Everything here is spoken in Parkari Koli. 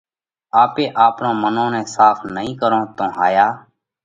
آپي آپرون منون نئہ ساڦ نئي ڪرون تو ھايا